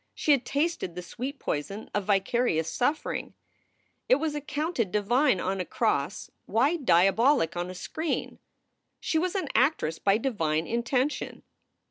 She had tasted the sweet poison of vicarious suffering. It was accounted divine on a cross; why diabolic on a screen? She was an actress by divine intention.